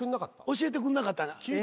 教えてくんなかった。